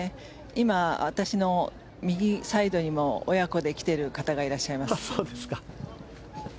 今、私の右サイドにも親子で来ている方がいらっしゃいます。